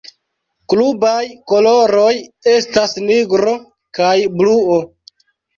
Klubaj koloroj estas nigro kaj bluo.